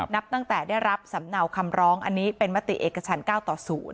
นับตั้งแต่ได้รับสำเนาคำร้องอันนี้เป็นมติเอกชัน๙ต่อ๐